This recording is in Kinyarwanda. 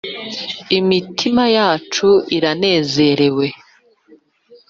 imitima yacu iranezerewe,